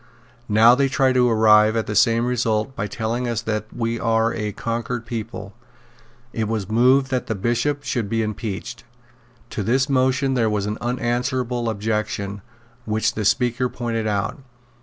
Now they try to arrive at the same result by telling us that we are a conquered people." It was moved that the Bishop should be impeached. To this motion there was an unanswerable objection, which the Speaker pointed out.